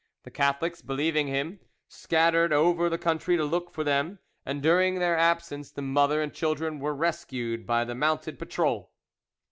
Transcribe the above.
The Catholics, believing him, scattered over the country to look for them, and during their absence the mother and children were rescued by the mounted patrol.